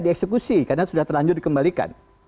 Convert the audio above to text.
dieksekusi karena sudah terlanjur dikembalikan